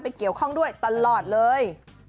เกี่ยวข้องด้วยตลอดเลย